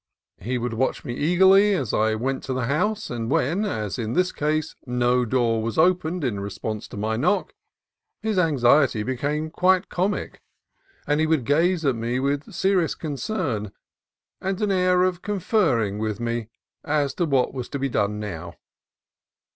He would watch me eagerly as I went to the house, and when, as in this case, no door was opened in response to my knock, his anxiety became quite comic, and he would gaze at me with serious concern and an air of conferring with me as to what was to be done now.